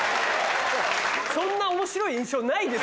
そんな面白い印象ないです。